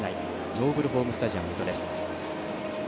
ノーブルホームスタジアム水戸です。